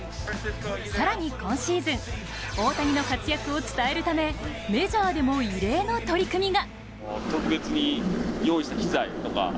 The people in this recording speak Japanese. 更に今シーズン大谷の活躍を伝えるためメジャーでも異例の取り組みが。